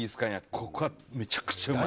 ここはめちゃくちゃうまい。